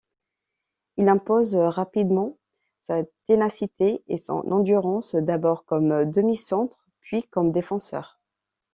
Il impose rapidement sa ténacité et son endurance, d'abord comme demi-centre puis comme défenseur.